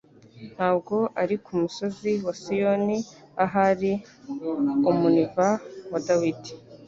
Ntabwo ari ku musozi wa Sioni ahari umunva wa Dawidi